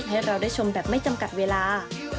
ให้เราได้ชมแบบไม่จำกัดเวลา